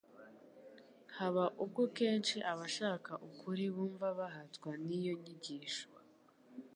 Haba ubwo kenshi abashaka ukuri bumva bahatwa n'iyo nyigisho